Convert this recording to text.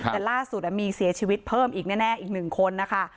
แต่ล่าสุดมีเสียชีวิตเพิ่มอีกแน่อีก๑คนนะคะ